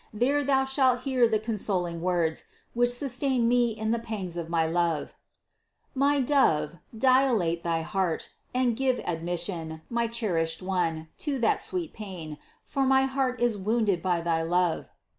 There thou shalt hear the consoling words, which sustained me in the pangs of my love : "My dove, dilate thy heart, and give admission, my cherished one, to that sweet pain, for my heart is wounded by thy love."